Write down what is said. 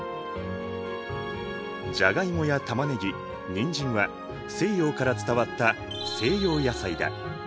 じゃがいもやたまねぎにんじんは西洋から伝わった西洋野菜だ。